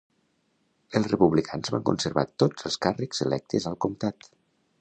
Els Republicans van conservar tots els càrrecs electes al comtat.